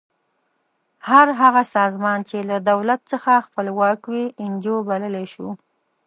هر هغه سازمان چې له دولت څخه خپلواک وي انجو بللی شو.